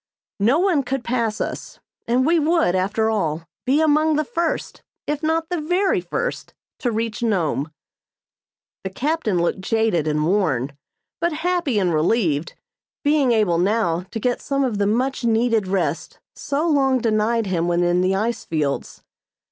No one could pass us, and we would, after all, be among the first, if not the very first, to reach Nome. The captain looked jaded and worn, but happy and relieved, being able now to get some of the much needed rest so long denied him when in the ice fields.